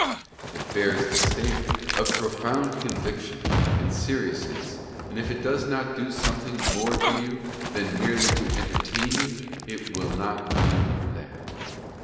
It bears the stamp of profound conviction and seriousness, and if it does not do something more to you than merely to entertain you, it will not do that.